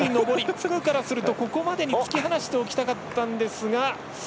フグからするとここまでに突き放しておきたかったんですが。